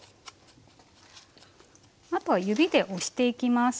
あとは指で押していきます。